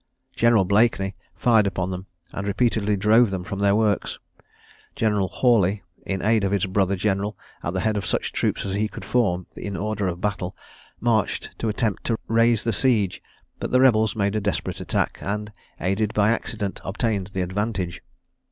General Blakeney fired upon them, and repeatedly drove them from their works. General Hawley, in aid of his brother general, at the head of such troops as he could form in order of battle, marched to attempt to raise the siege; but the rebels made a desperate attack, and, aided by accident, obtained the advantage.